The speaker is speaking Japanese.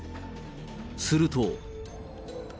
すると。